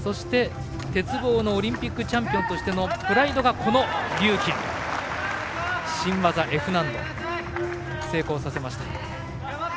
鉄棒の、オリンピックチャンピオンとしてのプライドがリューキン、新技Ｆ難度を成功させました。